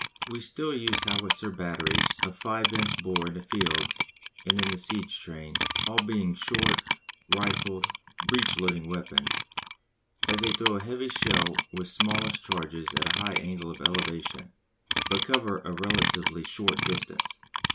We still use howitzer batteries of 5 inch bore in the field and in the siege train, all being short, rifled, breech loading weapons, as they throw a heavy shell with smallish charges at a high angle of elevation, but cover a relatively short distance.